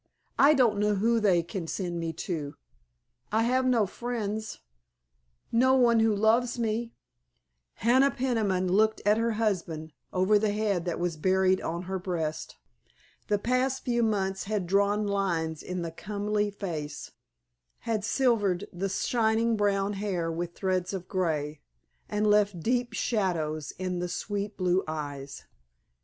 I don't know who they can send me to—I have no friends—no one who loves me——" Hannah Peniman looked at her husband over the head that was buried on her breast. The past few months had drawn lines in the comely face, had silvered the shining brown hair with threads of grey, and left deep shadows in the sweet blue eyes.